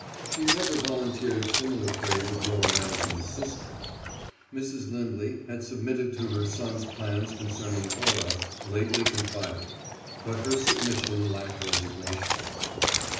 She never volunteered similar praise of Laura Madison's sister. Mrs. Lindley had submitted to her son's plans concerning Cora, lately confided; but her submission lacked resignation.